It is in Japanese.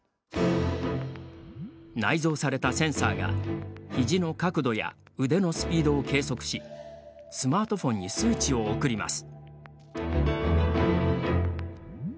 内蔵されたセンサーがひじの角度や腕のスピードを計測しスマートフォンに数値を送ります。